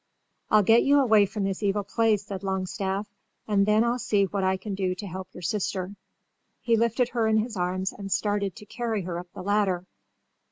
"I'll get you away from this evil place," said Longstaff, "and then I'll see what I can do to help your sister." He lifted her in his arms and started to carry her up the ladder.